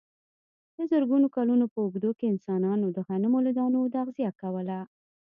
د زرګونو کلونو په اوږدو کې انسانانو د غنمو له دانو تغذیه کوله.